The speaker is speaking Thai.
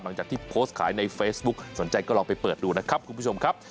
หลังจากที่โพสต์ขายในเฟซบุ๊กสนใจก็ลองไปเปิดดูนะครับคุณผู้ชมครับ